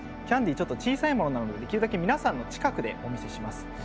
ちょっと小さいものなのでできるだけ皆さんの近くでお見せします。